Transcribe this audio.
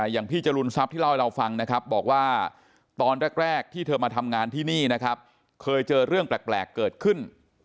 อย่างพี่จรูนทรัพย์ที่เล่าให้เราฟังนะครับบอกว่าตอนแรกที่เธอมาทำงานที่นี่นะครับเคยเจอเรื่องแปลกเกิดขึ้น